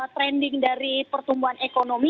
trending dari pertumbuhan ekonomi